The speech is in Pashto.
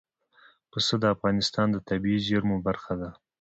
پسه د افغانستان د طبیعي زیرمو برخه ده.